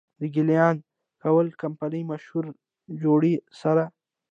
د ګيلاني کول کمپني مشهور جوړي سر،